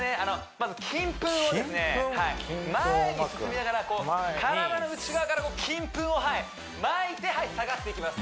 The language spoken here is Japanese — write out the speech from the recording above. まず金粉をですね前に進みながら体の内側から金粉をまいてはい下がっていきます